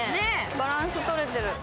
バランスもとれてる。